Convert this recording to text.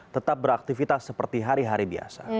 tetap beraktivitas seperti hari hari biasa